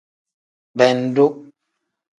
Bendu.